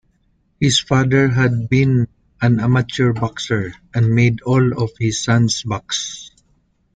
His father had been an amateur boxer and made all of his sons box.